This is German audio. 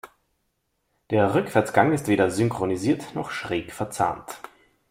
Der Rückwärtsgang ist weder synchronisiert noch schräg verzahnt.